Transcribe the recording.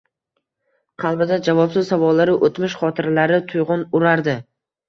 Qalbida javobsiz savollar-u, o`tmish xotiralari tug`yon urardi